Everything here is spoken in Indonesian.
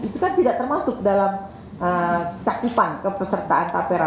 itu kan tidak termasuk dalam cakupan kepesertaan tapera